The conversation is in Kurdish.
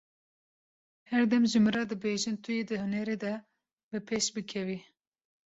Her dem ji min re dibêjin tu yê di hunerê de, bi pêş bikevî.